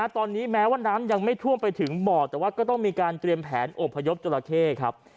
ตอนนี้แม้ว่าน้ำยังไม่ท่วมไปถึงบ่อแต่ว่าก็ต้องมีการเตรียมแผนอบพยพจราเข้ครับ